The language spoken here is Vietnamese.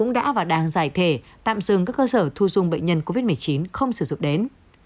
đã và đang giải thể tạm dừng các cơ sở thu dung bệnh nhân covid một mươi chín không sử dụng đến